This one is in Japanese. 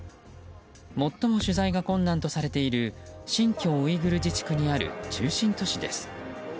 最も取材が困難とされている新疆ウイグル自治区にある中心都市です。